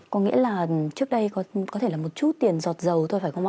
có nghĩa là trước đây có thể là một chút tiền giọt dầu thôi phải không ạ